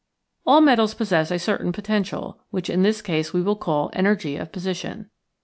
All metals possess a cer tain potential, which in this case we will call energy of position.